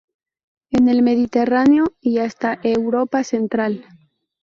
En el Mediterráneo y hasta Europa central.